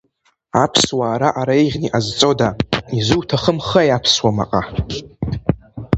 Аԥсуаа раҟара еиӷьны иҟазҵода, изуҭахымхеи аԥсуа маҟа?!